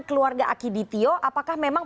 keluarga akiditio apakah memang